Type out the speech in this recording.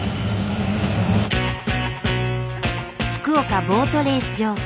福岡ボートレース場。